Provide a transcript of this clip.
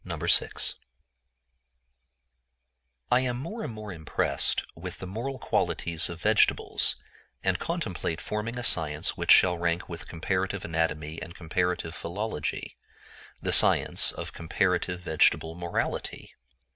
NINTH WEEK I am more and more impressed with the moral qualities of vegetables, and contemplate forming a science which shall rank with comparative anatomy and comparative philology,—the science of comparative vegetable morality.